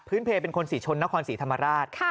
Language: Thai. เพลเป็นคนศรีชนนครศรีธรรมราช